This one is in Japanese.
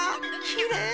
きれい。